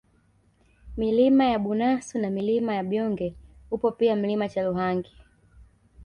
Milima ya Bunasu na Milima ya Byonge upo pia Mlima Chaluhangi